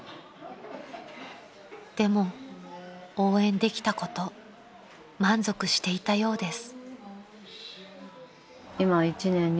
［でも応援できたこと満足していたようです］